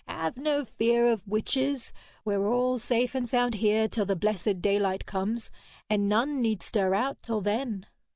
'Have no fear of witches. We're all safe and sound here till the blessed daylight comes, and none need stir out till then.'